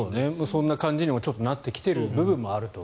そんな感じにもなってきている部分もあると。